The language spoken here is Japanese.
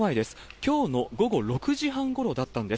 きょうの午前６時半ごろだったんです。